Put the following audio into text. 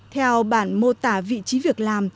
theo bản mô tả vị trí việc làm